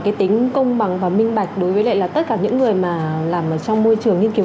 cái tính công bằng và minh bạch đối với lại là tất cả những người mà làm ở trong môi trường nghiên cứu